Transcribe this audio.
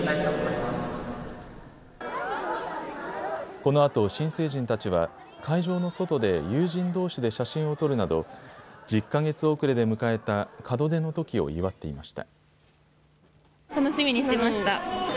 このあと新成人たちは会場の外で友人どうしで写真を撮るなど１０か月遅れで迎えた門出の時を祝っていました。